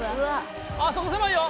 あそこせまいよ！